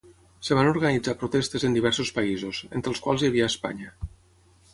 Es van organitzar protestes en diversos països, entre els quals hi havia Espanya.